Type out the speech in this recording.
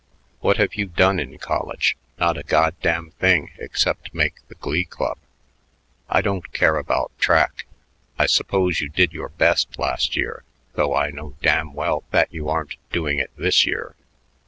What have you done in college? Not a goddamn thing except make the Glee Club. I don't care about track. I suppose you did your best last year, though I know damn well that you aren't doing it this year.